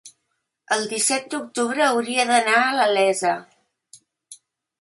El disset d'octubre hauria d'anar a la Iessa.